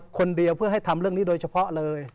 คนเดียวเพื่อให้ทำเรื่องนี้โดยเฉพาะเลย